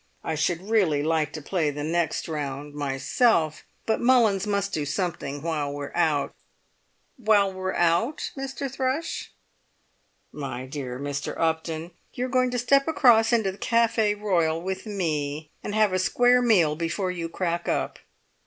I should really like to play the next round myself, but Mullins must do something while we're out." "While we're out, Mr. Thrush?" "My dear Mr. Upton, you're going to step across into the Café Royal with me, and have a square meal before you crack up!"